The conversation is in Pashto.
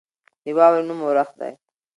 د واورې نوم اورښت دی.